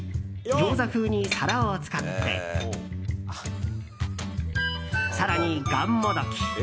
ギョーザ風に皿を使って更に、がんもどき。